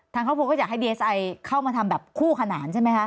ทางครอบครัวก็อยากให้ดีเอสไอเข้ามาทำแบบคู่ขนานใช่ไหมคะ